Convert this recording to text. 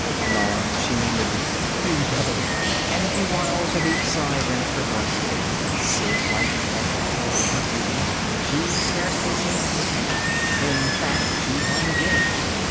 Anon she murmured, "Guido"—and bewhiles a deep sigh rent her breast. Sylph like and ethereal in her beauty, she scarcely seemed to breathe. In fact she hardly did.